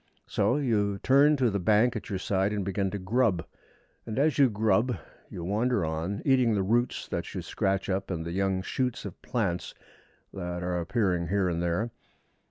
So you turn to the bank at your side and begin to grub; and as you grub you wander on, eating the roots that you scratch up and the young shoots of plants that are appearing here and there.